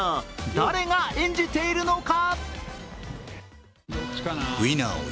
誰が演じているのか？